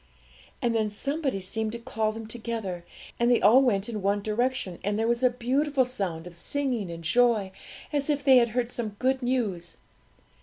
And then somebody seemed to call them together, and they all went in one direction, and there was a beautiful sound of singing and joy, as if they had heard some good news.